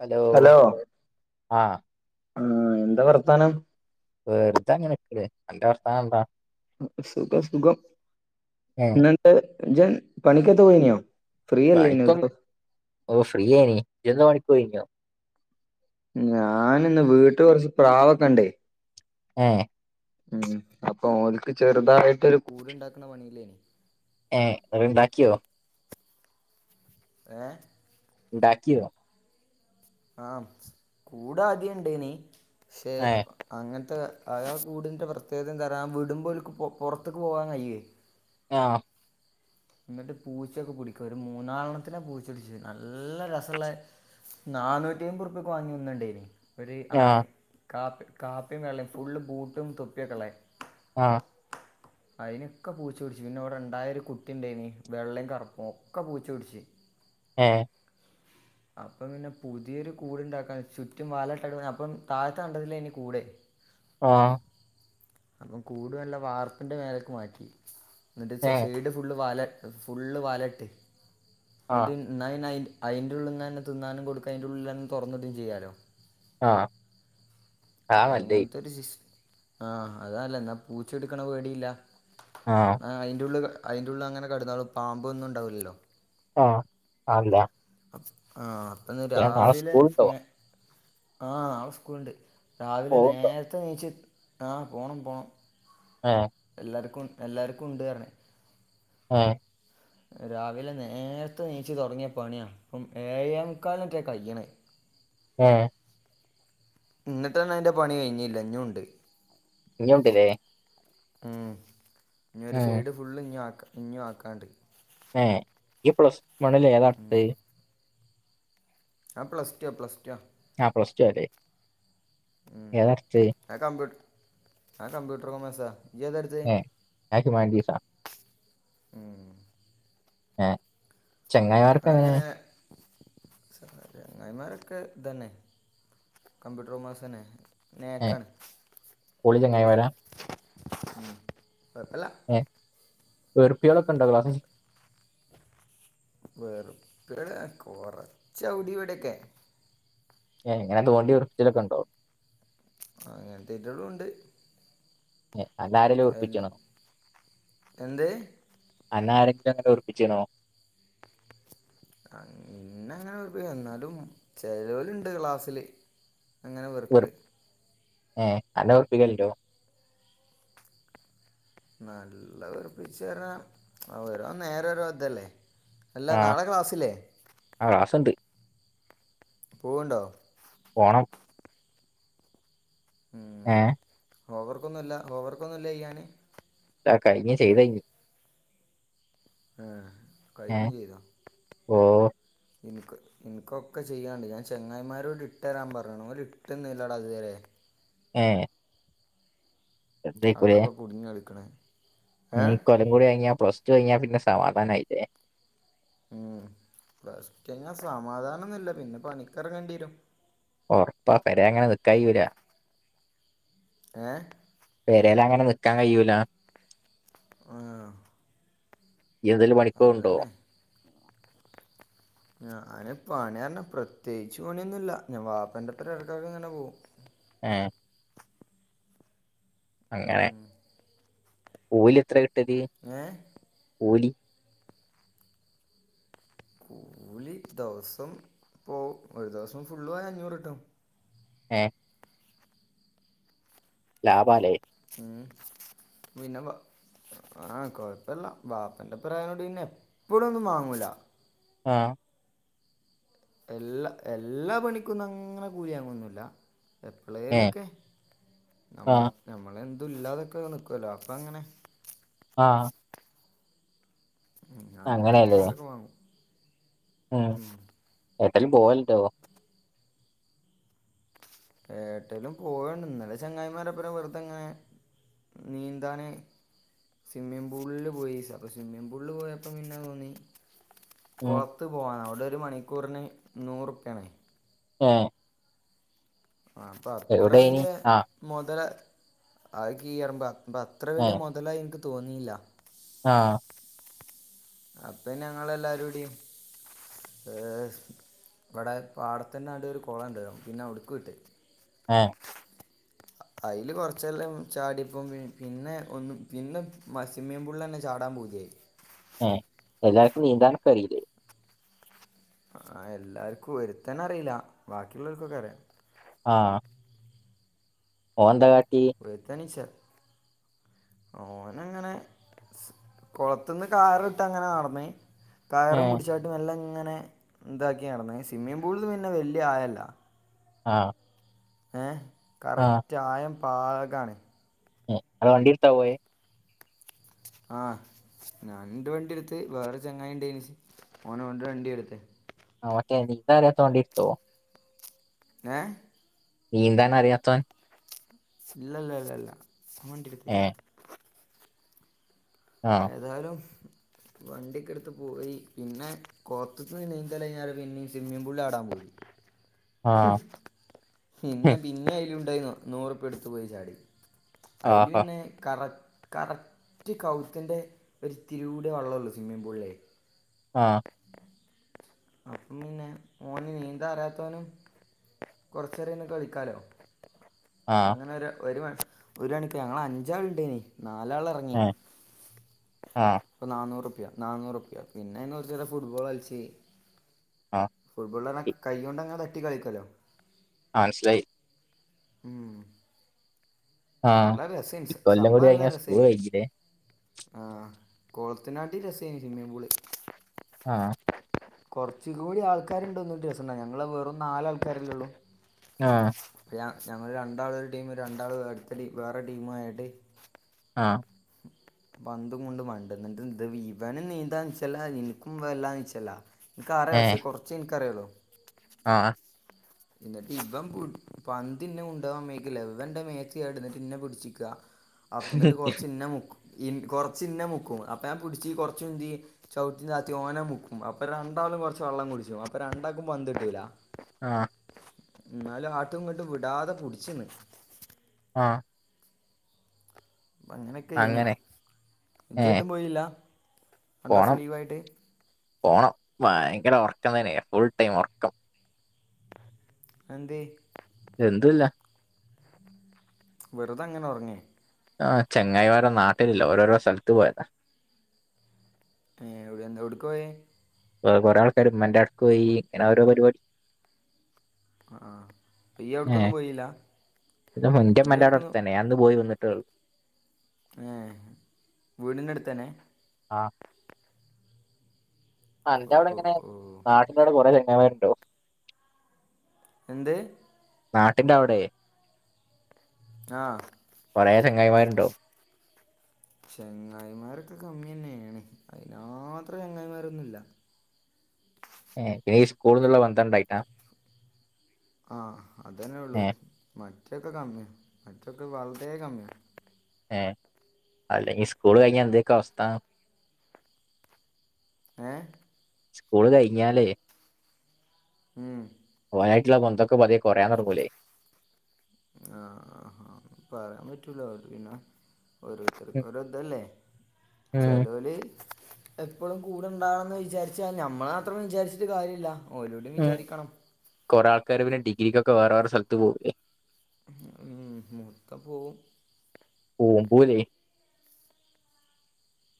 Hello ആ ആ എന്താ വർത്താനം വെറുതെ അങ്ങനെക്ക അന്റെ വർത്താനം എന്താ സുഖം സുഖം ഏഹ് പിന്നെ എന്താണ് ഇജ് പണിക ഒക്കെ പോയിനോ പണിക്കും ഓ ഫ്രീയനി നീ പോയിനോ ഞാൻ ഇന്ന് വീട്ടു കുറച്ച് പ്രാവൊക്കെണ്ടേ ഏ ഓൾക്ക് ചെറുതായിട്ടൊരു കൂടുണ്ടാക്കണ പണിയില്ലേ ഏഹ് ഇങ്ങള് ഇണ്ടാക്ക്യോ ഏഹ് ഇണ്ടാക്ക്യോ ആഹ് കൂടാദ്യം ഇണ്ടേനി ക്ഷെ ഏഹ് അങ്ങൻ അഹ്ആകൂട്ന്റെ പ്രത്യേകത എന്താറാ ആ വിടുമ്പൊരു കൊ പൊ പൊറത്ത്ക്ക് പോവാൻ കഴിയേ- ആഹ് ന്നട്ട് പൂച്ചൊക്കെ പിടിക്കെ ഒരു മൂന്നാലണ്ണത്തിനെ പൂച്ച പിടിച്ച് നല്ല രസള്ള നാന്നൂറ്റ്യയ്മ്പറുപ്പ്യക്ക്‌ വാങ്ങിയ ഒന്ന്ണ്ടേനി ഒരു ആഹ് ആണ് കാപ്പ് കാപ്പിം വെള്ളിംഫുള്ള് ബൂട്ടും തൊപ്പ്യക്കള്ളെ ആഹ് അയിനൊക്കെ പൂച്ച പിടിച്ചു പിന്നിവിടെ ഇണ്ടായ ഒരു കുട്ടി ഇണ്ടേനി വെള്ളേം കറുപ്പും ഒക്കെ പൂച്ച പിടിച്ച്. ഏഹ് അപ്പം പിന്നെ പുതിയൊരു കൂട് ഇണ്ടാക്കാൻ ചുറ്റും വല ഇട്ടേക്കണ് അപ്പം താഴത്ത് കണ്ടതില് ഇനി കൂടേ ആഹ് അപ്പം കൂടു നല്ല വാർപ്പിന്റെ മേലേക്ക് മാറ്റി. എന്നിട്ട് സ് ഏഹ് സൈഡ് ഫുള്ള് വാല ഫുള്ള് വലയിട്ട്. ആഹ് എന്നിട്ട് നയി നയി അയി ഉള്ളിന്ന് തന്നെ തിന്നാനും കൊടുക്കാ അതിന്റ ഉള്ളിലന്നെ തൊറന്നിടേം ചെയ്യാലോ? ആഹ് അതാ അപ്പോ നല്ലേ അങ്ങനത്തെ ഒരു സിസ് ആഹ് അതല്ല എന്നാ പൂച്ചെടുക്കണ പേടിയില്ല. ആഹ് അയിന്റെ ഉള്ള് കെ അയിന്റെ ഉള്ളില് അങ്ങനെ കെടന്നാളും പാമ്പ് ഒന്നും ഉണ്ടാവില്ലല്ലോ? ആഹ് [unintelligible] ആഹ് അന്ന് ഏഹ് നാളെ സ്കൂളുണ്ടോ രാവിലെന്നെ ആഹ് നാളെ സ്കൂളുണ്ട്. രാവിലെ പോവുണ്ടോ നേരത്തെ നീച്ച് ആഹ് പോണം പോണം ഏഹ് എല്ലാർക്കും എല്ലാർക്കും ഉണ്ട് പറഞ്ഞെ ഏഹ് രാവിലെ നേരത്തെ നീച്ചു തുടങ്ങിയ പണിയാ അപ്പം ഏഴെ മുക്കാലിനെറ്റാ കയ്യ്ണേ ഏഹ് ഇന്നിട്ട്ന്നെ അതിന്റെ പണി കഴിഞ്ഞില്ല ഇഞ്ഞും ഉണ്ട് ഇഞ്ഞി ഉണ്ട്ലെ ഉം ഇനി ഒരു സൈഡ് ഫുള്ള് ഇഞ്ഞി ആക്കാം ഇഞ്ഞും ആക്കാണ്ട് ഏഹ് യ്യ് പ്ലസ് വണ്ണിൽ ഏതാടുത്തേ അവൻ പ്ലസ് ടുവാ പ്ലസ്ടുവാ ആഹ് പ്ലസ് റ്റുവാലെ ഉം ഞാൻ കമ്പ്യൂ അവൻ കമ്പ്യൂട്ടർ കൊമേഴ്‌സാ ഏഹ് ഞാൻ ഹ്യുമാനിറ്റിസാ ഉം ഏഹ് ചങ്ങായിമാർ പ്പങ്ങനെ അതങ്ങനെ ചങ്ങായിമാരൊക്കെ ഇതന്നെ കമ്പ്യൂട്ടർ കോമേസ് തന്നെ ഏ നേക്കാണ് പൊളി അടിപൊളിയാ ചങ്ങായിമാരാ ഉം കൊഴപ്പല്ല വെറുപ്പികളൊക്കെണ്ടോ ക്ലാസ്സി വെറുപ്പിയാള് കൊറച്ച് അവ്ടെ ഇവിടെക്കെ ഏഹ് ഇങ്ങനെ തോണ്ടി വെറുച്ചിലൊക്കെ ഒണ്ടോ ആ അങ്ങനെത്തയീറ്റകളും ഉണ്ട് ഏഹ് അതരേലും എൽ ഒപ്പിക്കണോ എന്ത് അയിനാരെ [unintelligible] ആരെ വെറുപ്പിച്ചിണോ പിന്നെ അങ്ങനെ എന്നാലും ചെലവാരുണ്ട് ക്ലാസ്സില് അങ്ങനെ വെറുപ്പിതായി ഏഹ് അന്നെ വെറുപ്പിക്കലുണ്ടോ നല്ല വെറുപ്പിചേര ഓരോ നേര ഓരോരോ ഇതല്ലേ അല്ല ആ നാളെ ക്ലാസ്സില്ലേ ആ ക്ലാസ് ഉണ്ട് പൂവ്ണ്ടോ പോണം ഏഹ് ഹോംവർക്കൊന്നുല്ല ഹോം വർക്കൊന്നുല്ലയെയ്യന് ആഹ് കഴിഞ്ഞ് ചെയ്തഴിഞ്ഞ് ആഹ് ഏഹ് ഓഹ് ഇന്ക്ക് ഇന്ക്കൊക്കെ ചെയ്യാണ്ട് ഞാൻ ചെങ്ങായിമാരോട് ഇട്ട് തരാൻ പറയാണ് ഓല് ഇട്ട്ന്നില്ലടാ ഇതുരെ ഏഹ് അതപ്പൊ കുടുഞ്ഞാളിക്ക്ണ് ഇഞ് ഇ കൊല്ലം കൂടി കഴിഞ്ഞ പ്ലസ് ടു കഴഞ്ഞാ പിൻ സമാധാനായില്ലേ ഉം പ്ലസ് ടൂ കഴിഞ്ഞാ സമാധാനൊ ന്നുമില്ല പിന്നെ പണിക്കിറങ്ങേണ്ടി വരും ഒറപ്പാ പെരാ അങ്ങനെ നിക്കാൻ കഴിയൂല ഏ പേരലങ്ങനെ നിക് നിക്ക കായൂലാ ആ യ് എയേലും പണിക്കു അത് പോണുണ്ടോ തന്നെ ഞാന് പണി പറഞ്ഞ പ്രത്യേകിച്ച് പണിയൊന്നും പ്രേത്യേകിച്ചു പണിയൊന്നുമില്ല ഞാൻ വാപ്പന്റെപ്പടക്കാക്കെ ഇങ്ങനെ പോകും ഏ അങ്ങനെ കൂലി എത്ര കി ട്ടല് ഏ കുലി കൂലി ദോവസം പോ ഒരു ദോവസം ഫുള്ളു പോയ അഞ്ഞൂറിട്ടും ഏ ലാഭാല്ലേ ഉ പിന്നെ ആ കൊഴപ്പില്ല ബാപ്പന്റെപ്പരം ആയൊണ്ട് പിന്നെ എപ്പഴൊന്നും വാങ്ങൂല ഏ എല്ലാ എല്ലാ പണിക്കൊന്നും അങ്ങനെ കൂലി യാങ്ങൊന്നുമില്ല ഏ എപ്പോളേലൊക്കെ ആ നമ്മൾ നമ്മളെന്ത് എത്തും ഇല്ലാതൊക്കെ നിക്കുവല്ലോ അപ്പ അങ്ങനെ ആ ഉം അങ്ങനെ അങ്ങനെയല്ലേ എപ്പാള്ളേരൊക്കെ വാങ്ങും ഉം ലും പോവലുട്ടോ ഏട്ടലും പോവണ്ട് ഇന്നലെ ചങ്ങായിമാരൊപ്പരം വെറുതെ ഇങ്ങനെ നീന്താന് സ്വിമ്മിങ് പൂളില് പോയി അപ്പ സ്വിമ്മിംഗ് പൂളില് പോയപ്പോ പിന്നെ തോന്നി ഉം കോളത്തു പോവാൻ അവിടെ ഒരു മണിക്കൂറിന് നൂറുപ്യയാണേ ഏ ആ അപ്പൊ അത്ര എവിടെ ഇനി വലിയ ആ മൊതല അ യ് കിയറമ്പ അപ്പൊ അത്ര ഏ വലിയ മുതലായി നിക്ക് തോന്നീല ആ അപ്പൊ ഞങ്ങളെല്ലാരൂടി ഏ ഇവിടെ പാടത്തിനടുവേ ഒരു കൊളം ഒണ്ട് പിന്നെ അവിടുക്ക് വിട്ട് ആ അയില് കൊറച്ചെല്ലാം ചാടിപ്പം പി പിന്നെ ഒന്നും പിന്നെ മൽ സിമ്മിങ് പൂളിൽ ചാടാൻ പൂതിയായി ഏ എല്ലാർക്കും നീന്താനൊക്കെ അറിയില്ലേ ആ എല്ലാർക്കും ഒരുത്തനറിയില്ല ബാക്കിയുള്ളവർക്കൊക്കെ അറിയാം ആ ഓനെന്താ കാ ഒരുത്തനിച്ചാ ഓനങ്ങനെ സ് കൊളത്തുന്ന് കാറ് ഇട്ട് അങ്ങനാ നടന്നേ ഏ കയറും കുടിച്ചാട്ട് നല്ലങ്ങ് അങ്ങനെ ഇന്താക്കിയാ നടന്നെ സ്വിമ്മിംഗ് പൂളില് പിന്നെ വല്യ ആയ ഇല്ല ആഹ് ഏ കറക്റ്റായം പാഗാണെ ഏ നിങ്ങള് വണ്ടിയെടുത്ത പോയെ ആഹ് ഞണ്ട് വണ്ടി എടുത്ത് വേറെ ചങ്ങായി ഉണ്ടായിന് ശ് ഓന് ഓന്റെ വണ്ടിയ എടുത്തേ ആ ഓക്കെ നി ഇപ്പൊ അതിനെ തോണ്ടി എടുത്തോ ഏ നീന്താൻ അറിയാത്തവൻ ഇല്ലല്ലല്ലാ ഏ വണ്ടിയെടുത്തില്ല ആ ഏതായാലും വണ്ടിക്കെടുത്ത് പോയി പിന്നെ കോത്തത്ത് നീന്തൽ കഴിഞ്ഞാറല് പിന്നെയീ സ്വിമ്മിങ് പൂളിൽ ചാടാൻ പോയി ആ പിന്നെ ഹും, പിന്നെയയിലും ത്തായിരുന്നു നൂറുപ്പ്യ എടുത്ത് പോയി ചാടി അതില് ആഹാ പിന്നെ കറ കറക്ട കാൗ ത്തിന്റെ ഒരുത്തിരീകൂടെ വള്ളമോള്ളൂ സ്വിമ്മിംഗ് പൂളിലേ ആഹ അപ്പം പിന്നെ ഓന് നീന്ത അറിയാത്തോനും കൊറച്ച നേര അതിൽ നിന്ന് കളിക്കാലോ ആ അപ്പ അങ്ങനെ ഒരു മണി - ഒരു മണിക്ക ഞങ്ങള്ൾ അഞ്ചാൾ ഉണ്ടേനീ നാലാൾ ഇറങ്ങി ഏ ആ നാന്നൂറുപ്യ നാന്നൂറുപ്യ പിന്നെതീന്ന് കുറച്ച് ഫുട്ബോൾ കളിച്ച ആ ഫുട്ബോള ഇ- കൈ കൊണ്ട്ങ്ങനെ തട്ടി കളിക്കല്ലോ ആ മനസ്സിലായി ഉംമ് ആഹ ഈ കൊല്ലം കൂടി കൈഞ്ഞ സ്കൂൾ കഴഞ്ഞില്ലേ ആഹ കോളത്തിനാട്ടിൽ രസേനീ സ്വിമ്മിംഗ പൂള് ആഹ കുറച്ച കൂടി ആൾക്കാരുണ്ടോ ഒന്നൂടെ രസണ്ടനീ ഞങ്ങള് വെറും നാല് ആൾക്കാരല്ലേള്ളു ആഹ ഞങ്ങൾ രണ്ടാള ഒരു ടീം രണ്ടാൾ അടുത്ത വേറെ ടീംആയിട്ട് ആഹ പന്തു കൊണ്ട് മണ്ട്ണ് എന്നിട്ട് ഇവനും നീന്താന്ന്ച്ചല്ല എനിക്കും വല്ലാണ്ട് നിച്ചല്ല എനക്ക് അറിയാ ഏ പക്ഷേ കുറച്ചെ എനിക്കറിയൊള്ളു ആ എന്നിട്ട് ഇവൻ പന്ത്എന്നെ കൊണ്ടോവാൻ സമ്മേക്കില്ല ഇവൻ എന്റെ മേത്ത്ചാടി എന്നിട്ട്എന്നെ പിടിച്ചിക്ക അപ്പ എന്നിട്ട് കൊറച്ച് ഇന്ന മുക്കും കൊറച്ച് ഇന്നെ മുക്കും അപ്പൊ ഞൻ പിടിച്ച് കൊറച്ചുന്തു ചവിട്ടി താത്തി ഓന മുക്കും അപ്പൊ രണ്ടാാവളും കുറച്ച് വെള്ളം കുടിച്ചും അപ്പൊ രണ്ടാക്കും പന്ത്കിട്ടൂല്ല ആ എന്നാലും ആട്ടും ഇങ്ങോട്ട് വിടാതെ പിടിച്ചന്ന് ആ അപ്പ അങ്ങനെയൊക്കെ ഏനി അങ്ങനെ ജ്ജ് ഏ എങ്ങോട്ടും പോയില്ല രണ്ട ദിവസം പോണം ലീവായിട്ട് പോണം ഭയങ്കര ഉർക്കം തന്നെയ ഫുൾ ടൈം ഉറക്കം അതെന്തേ എന്തുല്ലാ വെറുത അങ്ങനെ ഉറങ്ങി ആ ചെങ്ങായ്‌മാരൊന്നും നാട്ടിലില്ല ഓരോരോ സ്ഥലത്ത് പോയതാ ഏ എവിടെ എന്താ എവിടക്കപോയെ കൊറേ ആൾക്കാർ ഉമ്മാന്റോട്ക്ക് പോയി ഇങ്ങനെ ഓരോ പരിപാടി ആ ആ ഈ ഏ എവിടേക്കൊന്നും പോയില്ല ന്റെ ഈ ഉമ്മാന്റോടെ അടുത്ത് എവിടേക്കൊന്നും തന്നെ ഞാൻ ഇന്ന് പോയി വന്നിട്ടേഒള്ളൂ ഏ വീടിന്റെ അടുത്തന്നെ ആ ആ എന്റെ അവിടെ ഓ ഇങ്ങനെ ഓ നാട്ടിന്റെഅവിടെ കുറെ വണ്ടോ എന്ത് നാട്ടിന്റെ അവിടെ ആ കുറെയ ചെംഗായിമാരുണ്ടോ ചങ്ങായിമാരൊക്കെ കമ്മി തന്നെയാണ് അതിനത്ര ചെങ്ങായിമാരൊന്നുമല്ല ഏ പിന്നെ ഈ സ്കൂളന്നുള്ള വന്തണ്ടായിട്ടാ ആഹ അതന്നെ ഉള്ളു മറ്റൊക്കെ കമ്മിയ മറ്റൊക്കെ വളുത കമ്മിയ ഏ അല്ലെങ്ക സ്കൂള് കഴിഞ്ഞാ എന്തക്കോ അവസ്ഥ ഏ സ്കൂള് കഴിഞ്ഞാലേ മ് യിട്ടുള്ള ബന്ധൊക്കെ പതിയെ കുറയാൻ തുടങ്ങൂലേ ആ ആ പറയാൻ പറ്റല അവ പിന്നെ ഓരുത്തർ ഉം, ഒതല്ലേ ഉം, ചലോലി എപ്പോഴും കൂടെണ്ടാവണന്ന് വിചാരിച്ച ഞമ്മൾ മാത്രം വിചാരിച്ചിട്ട് കാര്യമില്ല ഓരോടെും വിചാരിക്കണം കരവിന്റെ ഡിഗ്രിക്കൊക്കെ വേറെ വേറെ സ്ഥലത്ത് പോവേ മുഹൂത്ത പോ ഓമ്പൂലേ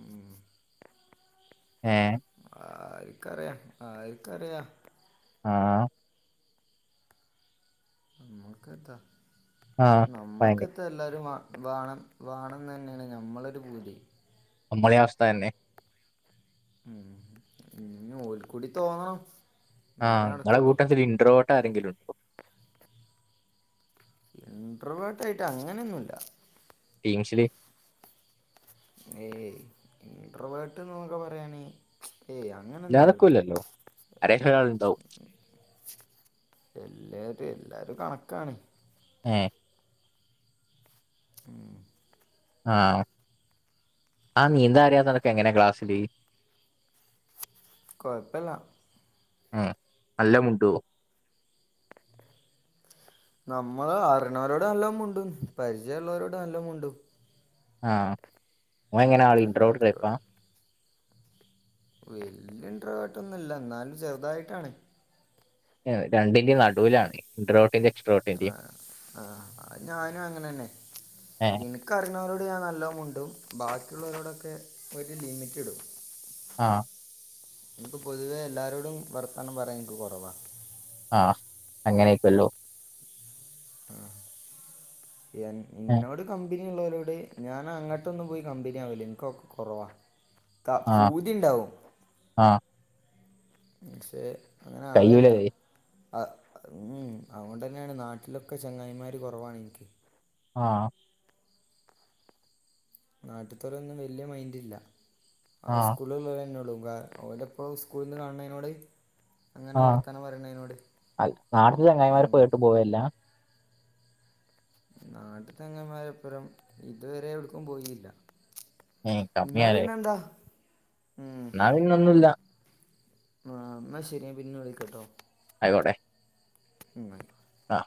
ഉം ആഹ ആരിക്കറിയാം ആരിക്കറിയാം ആഹ മഴക്കതാ ആഹ് നമ്മക്ക ഭയങ്കര ഇത്തെ എല്ലാരും വാണം വേണം തന്നെയാണ് ഞമ്മളൊരു പൂതി മ്മഴ അവസ്ഥ തന്നെ ഉം ഇനി ഓൽക്കൂടി തോന്നാം ആഹ് നിങ്ങളെ കൂട്ടത്തിൽ ഇൻറോട്ട ആരെങ്കിലുംണ്ടോ ഇന്റർവേർട്ട ആയിട്ട് അങ്ങനെയൊന്നുമല്ല ീങ്സില ഏയ് ഇന്റർവേർട്ട് എന്നൊക്കെ പറയാനേ ഏയ് അങ്ങനൊന്നും ഇല്ലാതൊക്കെ വരുല്ലോ ഇല്ലല്ലോ ആരേലും ഒരാളുണ്ടാവും എല്ലര എല്ലാരും കണക്കാണ് ആ ഉം ആഹ ആ നീന്താ അറിയാത്ത നിനക്ക് എങ്ങനെയ ക്ലാസ്സിില് കുഴപ്പമില്ല ആ നല്ല മുണ്ടുവോ നമ്മള് അറണവരോട എല്ലാം മുണ്ടും പരിചയമള്ളവരോട എല്ല മുണ്ടും ആഹ മോനെ എങ്ങനാ ഇൻഡ്രോട് പോയപ്പോ വല്യണ്ട്രായിട്ടൊന്നുംല്ല എന്നാലും ചെറുതായിട്ടാണ് രണ്ടിന്റെ നടുവിലാണ് ഇൻഡ്രോട്ല് ആഹ് ആഹ് അഹ് ഞാനും അങ്ങനെ തന്നെ [unintelligible] ഏഹ് ഞാൻ നല്ലോമുൻണ്ടും ബാക്കിയുള്ളവരോടൊക്കെ ഒരു ലിമിറ്റഡും ആഹ് എനിക്ക് പൊതുവേ എല്ലാരോടും വർത്താനം പറയാം എനിക്ക് കുറവാ ആഹ് അങ്ങനെയക്കല്ലോ ആഹ് ഏഹ് [unintelligible] കമ്പനി ഉള്ളവരോട് ഞാൻ അങ്ങോട്ടൊന്നും പോയി കമ്പനി ആവില്ല എനിക്കെ കുറവാ ക ആഹ് പൂതി ഉണ്ടാവും ആഹ് [unintelligible] കയുലെ ആഹ് ഉം അതുകൊണ്ട് തന്നെയാണ് നാട്ടിലൊക്കെ ചെങ്ങായിമാര് കുറവാണ് എനിക്ക് ആഹ് നാട്ടുത്തോര ഒന്നും വല്യ മൈൻഡില്ല [unintelligible] അവ ആഹ് ഓടെപ്പോ സ്കൂളിൽ നിന്ന് കാണുന്നതിനോട് അങ്ങനെ വർത്താനം പറയണതിനോട് ആഹ് നാട്ടിലെ ചങ്ങായിമാര് ഉം പോയിട്ട് പോവല്ല നാട്ട തങ്ങന്മാരപ്പുറം ഇതുവരെ എവിടക്കും പോയില്ല എന്നാ പിന്നെന്താ [unintelligible] എന്നാ പിന്നൊന്നുല്ലാ ആഹ് എന്നാ ശരി പിന്നെ വിളിക്കട്ടോ ആയിക്കോട്ടെ ഉം ആഹ്